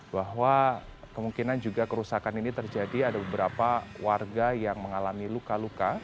bahwa kemungkinan juga kerusakan ini terjadi ada beberapa warga yang mengalami luka luka